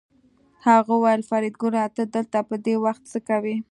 هغه وویل فریدګله ته دلته په دې وخت څه کوې